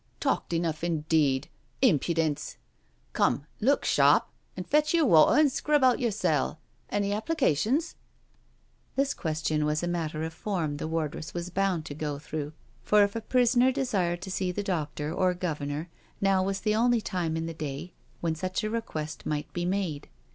"Talked enough, indeed— Impudence I Come, look sharp and fetch yer water and scrub out yer cell — any applications?" This question was a matter of form the wardress was bound to go through, for if a prisoner desired to see the doctor or Governor now was the only time in the day when such a request might be made.